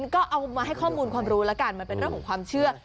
ก็เอามาให้ข้อมูลความรู้แล้วกันมันเป็นเรื่องของความเชื่อ